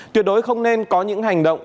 tuyệt đối không nên có những hành động